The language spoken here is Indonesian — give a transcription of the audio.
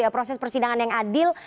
proses persidangan yang adil